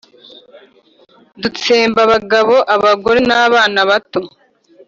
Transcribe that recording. dutsemba abagabo, abagore n’abana bato,